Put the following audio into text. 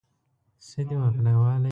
تاسو باید خپلې کورنۍ ته وخت ورکړئ